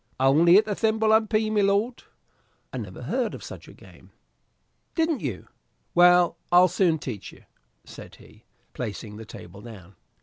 "Only at the thimble and pea, my lord." "I never heard of such a game." "Didn't you? Well, I'll soon teach you," said he, placing the table down.